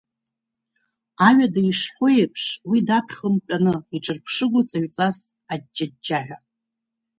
Аҩада ишҳәоу аиԥш, уи даԥхьон дтәаны, иҿырԥшыгоу ҵаҩҵас, аҷҷаҷҷаҳәа.